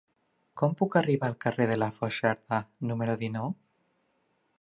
Com puc arribar al carrer de la Foixarda número dinou?